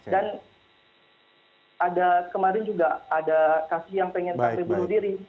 dan ada kemarin juga ada kasih yang pengen sampai berdiri